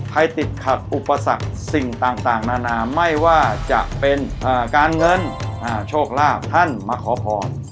ติดขัดอุปสรรคสิ่งต่างนานาไม่ว่าจะเป็นการเงินโชคลาภท่านมาขอพร